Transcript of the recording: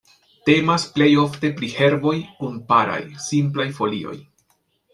Temas plejofte pri herboj kun paraj, simplaj folioj.